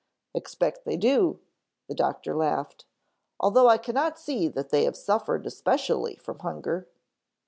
"Expect they do," the doctor laughed, "although I cannot see that they have suffered especially from hunger."